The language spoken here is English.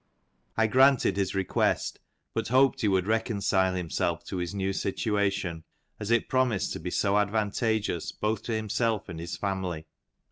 I granted his request, but hoped he would reconcile himself to his new situation, as it promised to be so advantageous both to himself and his family.